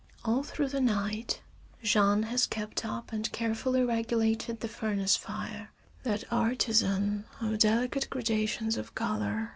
All through the night Jean has kept up and carefully regulated the furnace fire, that artisan of delicate gradations of color.